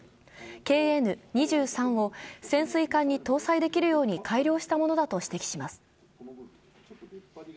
ＫＮ２３を潜水艦に搭載できるように改良したものだと指摘します。